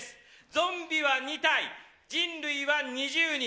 ゾンビは２体、人類は２０人。